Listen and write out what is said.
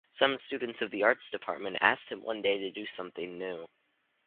Some students of the Arts Department asked him one day to do something new.